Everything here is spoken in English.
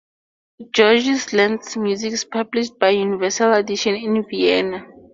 Georges Lentz's music is published by Universal Edition in Vienna.